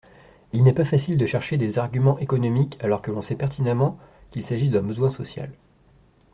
Il n’est pas facile de chercher des arguments économiques alors que l’on sait pertinemment qu’il s’agit d’un besoin social.